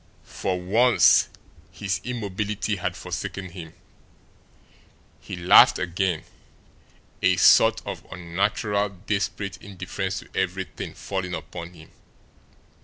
For once his immobility had forsaken him. He laughed again a sort of unnatural, desperate indifference to everything falling upon him.